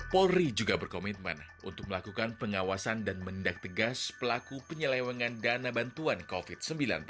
polri juga berkomitmen untuk melakukan pengawasan dan mendak tegas pelaku penyelewangan dana bantuan covid sembilan belas